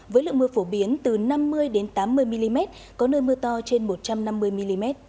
với lượng mưa phổ biến từ năm mươi tám mươi mm có nơi mưa to trên một trăm năm mươi mm